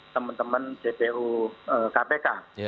teman teman jpu kpk